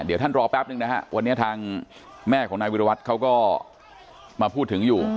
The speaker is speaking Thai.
เดี๋ยวท่านรอแป๊บนึงนะฮะวันนี้ทางแม่ของนายวิรวัตรเขาก็มาพูดถึงอยู่